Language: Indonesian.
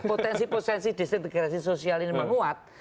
potensi potensi disintegrasi sosial ini menguat